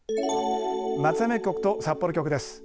松山局と札幌局です。